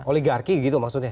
oligarki gitu maksudnya